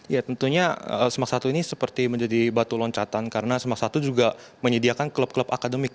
ya tentunya semak satu ini seperti menjadi batu loncatan karena semak satu juga menyediakan klub klub akademik